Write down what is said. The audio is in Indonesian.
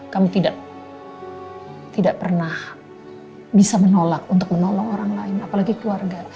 kami tidak pernah bisa menolak untuk menolong orang lain apalagi keluarga